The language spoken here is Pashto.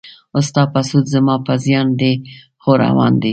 ستا په سود زما په زیان دی خو روان دی.